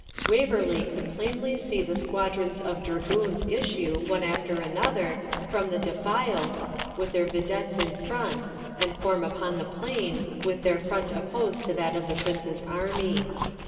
Waverley could plainly see the squadrons of dragoons issue, one after another, from the defiles, with their videttes in front, and form upon the plain, with their front opposed to that of the Prince's army.